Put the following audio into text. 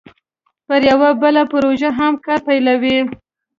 پر یوه بله پروژه هم کار پیلوي